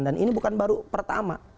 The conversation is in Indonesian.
dan ini bukan baru pertama